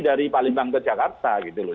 dari palembang ke jakarta gitu loh